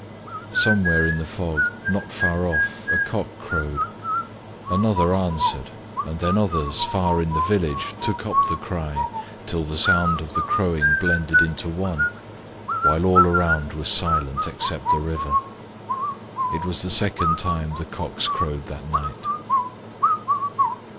Somewhere in the fog, not far off, a cock crowed; another answered, and then others, far in the village took up the cry till the sound of the crowing blended into one, while all around was silent excepting the river. It was the second time the cocks crowed that night.